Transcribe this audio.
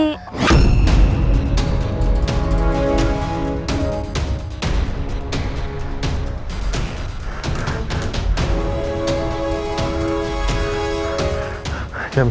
jangan bercanda ya